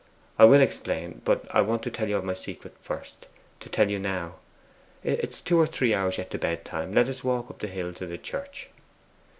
'I will explain; but I want to tell you of my secret first to tell you now. It is two or three hours yet to bedtime. Let us walk up the hill to the church.